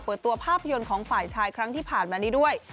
เปิดตัวภาพยนตร์ของฝ่ายชายครั้งที่ผ่านมานี้ด้วย